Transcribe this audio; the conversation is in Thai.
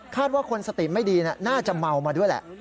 ว่าคนสติไม่ดีน่าจะเมามาด้วยแหละ